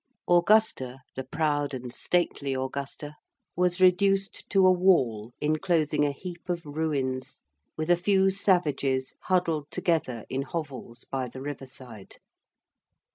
Augusta the proud and stately Augusta was reduced to a wall enclosing a heap of ruins with a few savages huddled together in hovels by the riverside.